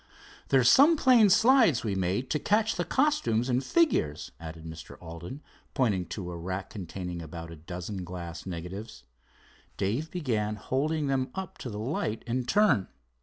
"There's some plain slides we made to catch the costumes and figures," added Mr. Alden, pointing to a rack containing about a dozen glass negatives. Dave began holding them up to the light in turn.